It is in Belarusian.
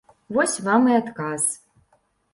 Вось вам і адказ.